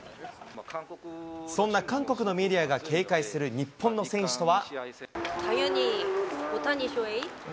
そんな韓国のメディアが警戒する日本の選手とは。